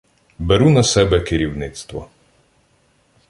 Беру на себе керівництво.